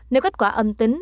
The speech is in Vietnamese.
nếu kết quả âm tính